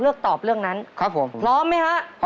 ชื่อสูงสู่ชีวิต